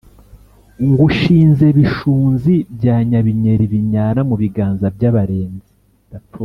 ngushinze bishunzi bya nyabinyeli binyara mu biganza by'abarenzi